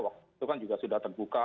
waktu itu kan juga sudah terbuka